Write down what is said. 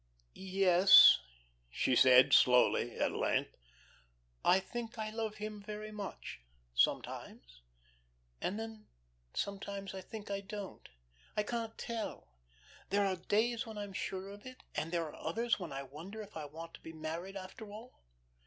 "Yes," she said, slowly at length. "I think I love him very much sometimes. And then sometimes I think I don't. I can't tell. There are days when I'm sure of it, and there are others when I wonder if I want to be married, after all.